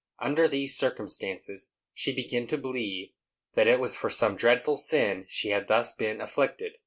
Under these circumstances, she began to believe that it was for some dreadful sin she had thus been afflicted.